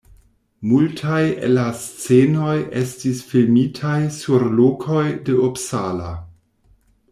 Multaj el la scenoj estis filmitaj sur lokoj de Uppsala.